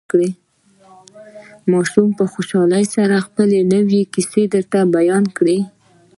ماشوم په خوشحالۍ سره خپلې نوې کيسې راته بيان کړې.